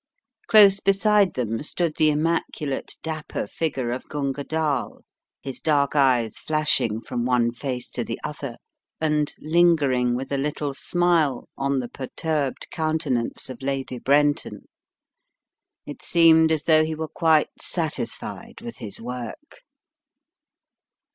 Close beside them stood the immaculate, dapper figure of Gunga Dall, his dark eyes flashing from one face to the other, and lingering with a little smile on the perturbed countenance of Lady Brenton. It seemed as though he were quite satisfied with his work.